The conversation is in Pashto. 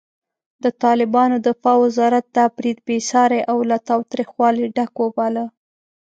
د طالبانو دفاع وزارت دا برید بېساری او له تاوتریخوالي ډک وباله.